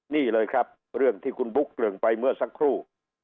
นี่เลยครับเรื่องที่คุณบุ๊กเปลืองไปเมื่อสักครู่